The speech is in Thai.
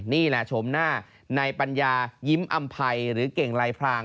นี่แหละชมหน้าในปัญญายิ้มอำภัยหรือเก่งลายพราง